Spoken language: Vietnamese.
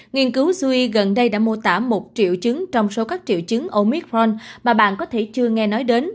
nghiên cứu suy gần đây đã mô tả một triệu chứng trong số các triệu chứng omitron mà bạn có thể chưa nghe nói đến